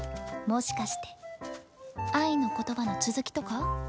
もしかして愛の言葉の続きとか？